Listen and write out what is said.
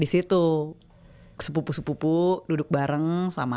disitu sepupu sepupu duduk bareng sama